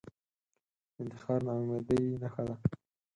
انتحار ناامیدۍ نښه ده